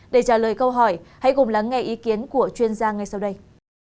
để trả lời câu hỏi hãy cùng lắng nghe ý kiến của chuyên gia ngay sau đây